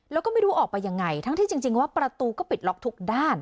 แล้วก็ไม่รู้ออกไปยังไงทั้งที่จริงว่าประตูก็ปิดล็อกทุกด้าน